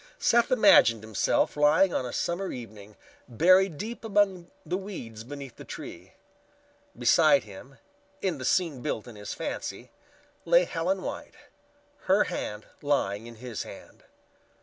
Seth imagined himself lying on a summer evening, buried deep among the weeds beneath the tree. Beside him, in the scene built in his fancy, lay Helen White, her hand lying in his hand.